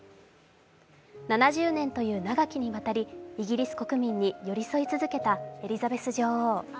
７０年という長きにわたりイギリス国民に寄り添い続けたエリザベス女王。